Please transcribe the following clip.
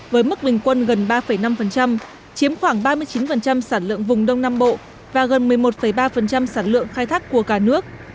với mức bình quân gần ba năm chiếm khoảng ba mươi chín sản lượng vùng đông nam bộ và gần một mươi một ba sản lượng khai thác của cả nước